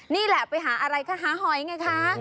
นี่แหละไปหาอะไรคะหาหอยไงคะ